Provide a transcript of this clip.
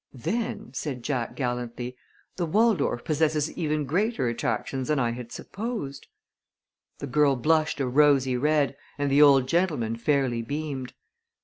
"Then," said Jack, gallantly, "the Waldorf possesses even greater attractions than I had supposed." The girl blushed a rosy red, and the old gentleman fairly beamed.